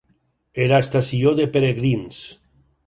Era estació de peregrins.